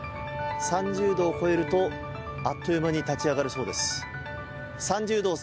３０度を超えるとあっという間に立ち上がるそうです。